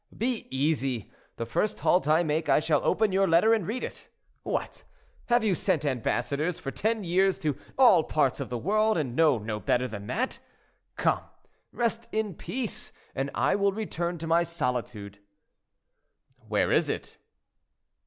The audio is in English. Be easy, the first halt I make I shall open your letter and read it. What! have you sent ambassadors for ten years to all parts of the world, and know no better than that? Come, rest in peace, and I will return to my solitude." "Where is it?"